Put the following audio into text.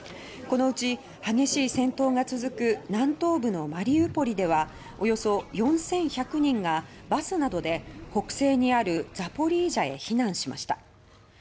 このうち激しい戦闘が続く南東部のマリウポリではおよそ４１００人がバスなどで北西にあるザポリージャへ避難しました。